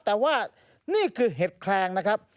แต่ว่านี่คือเห็ดแคลงนะครับ